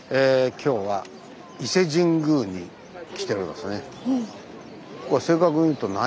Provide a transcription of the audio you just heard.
今日は伊勢神宮に来ておりますね。